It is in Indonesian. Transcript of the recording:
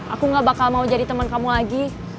aku gak bakal mau jadi teman kamu lagi